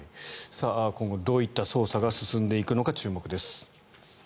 今後どういった捜査が進んでいくのか注目です。